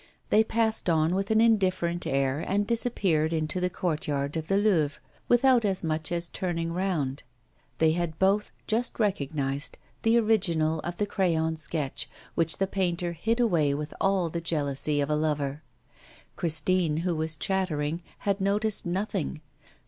They passed on with an indifferent air and disappeared into the courtyard of the Louvre without as much as turning round. They had both just recognised the original of the crayon sketch, which the painter hid away with all the jealousy of a lover. Christine, who was chattering, had noticed nothing.